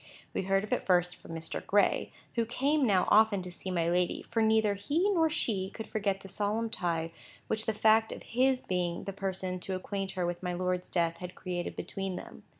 We heard of it first from Mr. Gray, who came now often to see my lady, for neither he nor she could forget the solemn tie which the fact of his being the person to acquaint her with my lord's death had created between them.